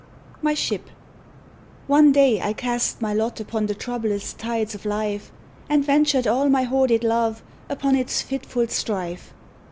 MY SHIP One day I cast my lot upon the troublous tides of life, And ventured all my hoarded love upon its fitful strife.